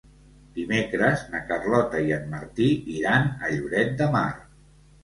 Dimecres na Carlota i en Martí iran a Lloret de Mar.